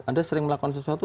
anda sering melakukan sesuatu